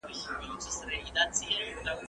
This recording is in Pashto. کورنی اختلاف ټولنه کمزورې کوي